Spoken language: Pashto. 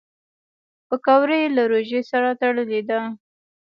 پکورې له روژې سره تړلي دي